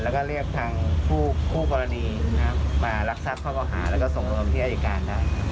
แล้วก็เรียกทางผู้กรณีมารักษาข้อข่าวหาแล้วก็ส่งรวมที่อาจารย์ได้